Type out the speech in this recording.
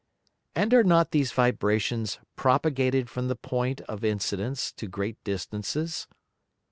and are not these Vibrations propagated from the point of Incidence to great distances?